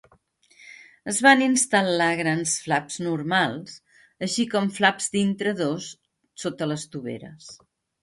Es van instal·lar grans flaps normals, així com flaps d'intradós sota les toveres.